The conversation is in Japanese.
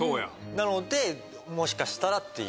なのでもしかしたらっていう。